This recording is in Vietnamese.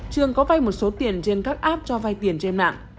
trường có vay một số tiền trên các app cho vay tiền trên mạng